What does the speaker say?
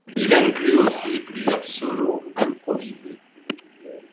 Il inclut aussi plusieurs solos improvisés.